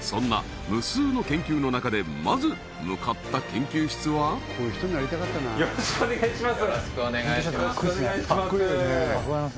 そんな無数の研究の中でまず向かった研究室はよろしくお願いします